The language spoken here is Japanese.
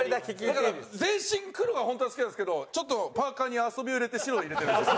全身黒が本当は好きなんですけどちょっとパーカーに遊びを入れて白を入れてるんですよ。